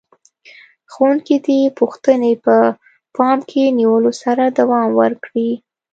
ښوونکي دې پوښتنې په پام کې نیولو سره دوام ورکړي.